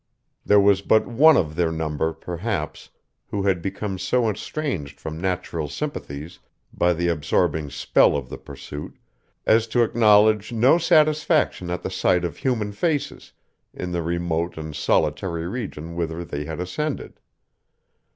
There was but one of their number, perhaps, who had become so estranged from natural sympathies, by the absorbing spell of the pursuit, as to acknowledge no satisfaction at the sight of human faces, in the remote and solitary region whither they had ascended.